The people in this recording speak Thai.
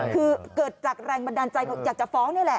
คือเกิดจากแรงบันดาลใจอยากจะฟ้องนี่แหละ